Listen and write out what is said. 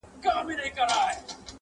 کومول زړه نا زړه سو تېر له سر او تنه٫